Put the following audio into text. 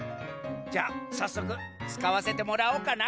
じゃあさっそくつかわせてもらおうかな。